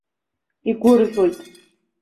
Игәырӷьоит!